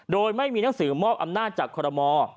โดยไม่มีหนังสือมอบอำนาจจากคอรมอ